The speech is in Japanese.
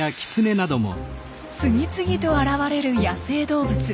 次々と現れる野生動物。